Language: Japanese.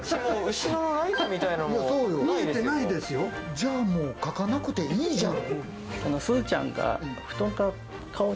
じゃあもう描かなくていいじゃん。